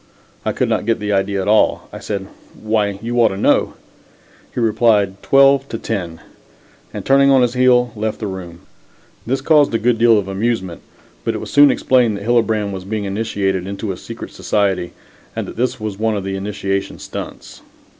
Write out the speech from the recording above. I could not get the idea at all. I said: "Why, you ought to know." He replied: "12 to 10," and turning on his heel, left the room. This caused a good deal of amusement, but it was soon explained that Hillebrand was being initiated into a secret society and that this was one of the initiation stunts.